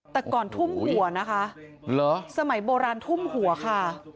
แต่ก่อนทุ่มหัวนะคะสมัยโบราณทุ่มหัวค่ะ